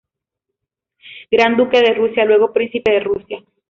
Gran duque de Rusia, luego príncipe de Rusia.